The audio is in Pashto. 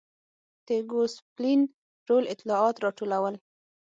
د ګوسپلین رول اطلاعات راټولول و.